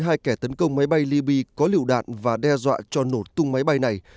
hai kẻ tấn công máy bay liby có lựu đạn và đe dọa cho nổ tung máy bay này